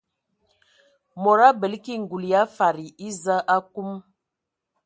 Mod abələ ki ngul ya fadi eza akum.